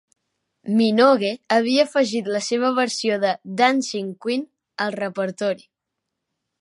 Minogue havia afegit la seva versió de "Dancing Queen" al repertori.